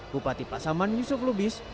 bupati pasaman yusuf lubis